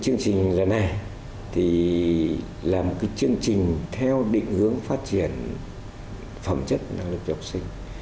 chương trình lần này là một chương trình theo định hướng phát triển phẩm chất năng lực cho học sinh